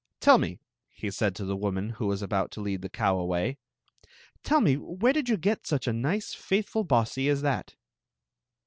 "Tell me»" he said to the woman, who was about to lead the cow away, "tell me, where did you get such a nice faithful Bossie as that?"